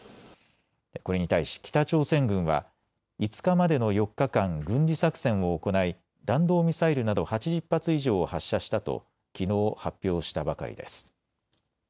これに対し北朝鮮軍は５日までの４日間、軍事作戦を行い弾道ミサイルなど８０発以上を発射したときのう発表したばかりです。